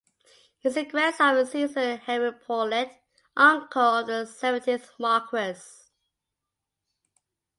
He is the grandson of Cecil Henry Paulet, uncle of the seventeenth Marquess.